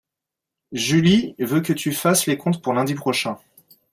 Julie veut que tu fasses les comptes pour lundi prochain.